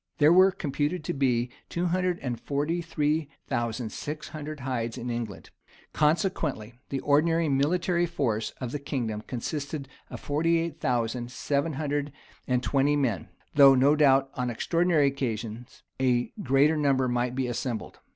[] There were computed to be two hundred and forty three thousand six hundred hides in England;[] consequently the ordinary military force of the kingdom consisted of forty eight thousand seven hundred and twenty men; though, no doubt, on extraordinary occasions, a greater number might be assembled.